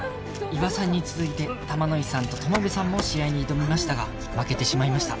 伊庭さんに続いて玉乃井さんと友部さんも試合に挑みましたが負けてしまいました